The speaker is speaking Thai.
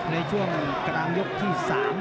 ในช่วงกลางยกที่๓